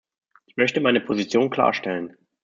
Ich möchte meine Position klarstellen.